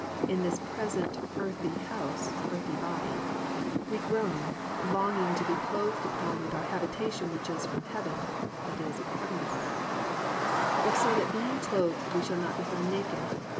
in this present earthly house, earthy body) +we groan, longing to be clothed upon with our habitation which is from heaven+ (i.e., our heavenly body): +if so be that being clothed we shall not be found naked.